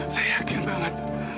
saya yakin banget